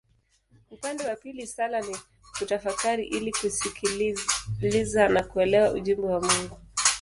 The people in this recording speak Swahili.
Upande wa pili sala ni kutafakari ili kusikiliza na kuelewa ujumbe wa Mungu.